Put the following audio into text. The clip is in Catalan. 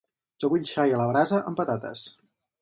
Jo vull xai a la brasa amb patates.